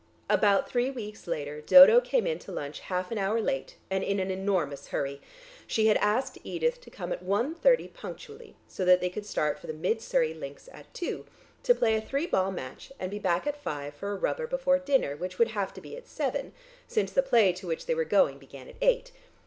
About three weeks later Dodo came in to lunch half an hour late and in an enormous hurry. She had asked Edith to come at 1.30 punctually, so that they could start for the Mid Surrey links at two, to play a three ball match, and be back at five for a rubber before dinner which would have to be at seven, since the play to which they were going began at eight.